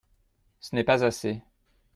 Ce n’est pas assez.